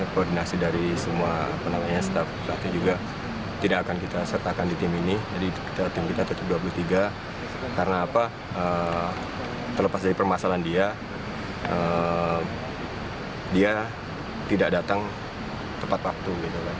karena apa terlepas dari permasalahan dia dia tidak datang tepat waktu